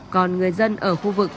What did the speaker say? còn người dân ở khu vực